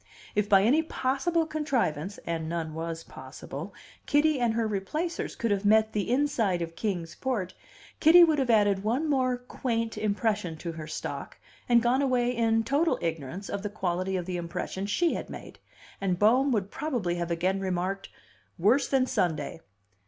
If by any possible contrivance (and none was possible) Kitty and her Replacers could have met the inside of Kings Port, Kitty would have added one more "quaint" impression to her stock, and gone away in total ignorance of the quality of the impression she had made and Bohm would probably have again remarked, "Worse than Sunday."